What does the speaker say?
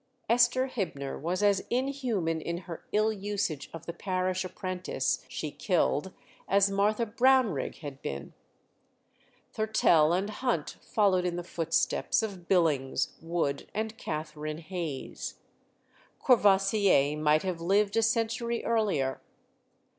Esther Hibner was as inhuman in her ill usage of the parish apprentice she killed as Martha Brownrigg had been. Thurtell and Hunt followed in the footsteps of Billings, Wood, and Catherine Hayes. Courvoisier might have lived a century earlier.